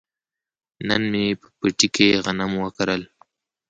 نن مې په پټي کې غنم وکرل.